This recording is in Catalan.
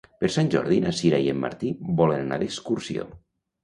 Per Sant Jordi na Sira i en Martí volen anar d'excursió.